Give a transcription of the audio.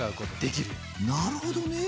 なるほどね。